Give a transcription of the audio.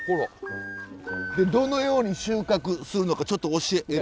どのように収穫するのかちょっと教え。